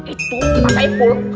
itu mas saipul